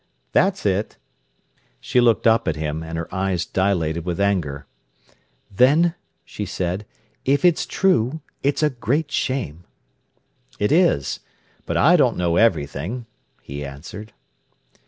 "That's it." She looked up at him, and her eyes dilated with anger. "Then," she said, "if it's true, it's a great shame." "It is. But I don't know everything," he answered.